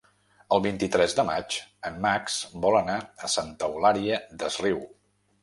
El vint-i-tres de maig en Max vol anar a Santa Eulària des Riu.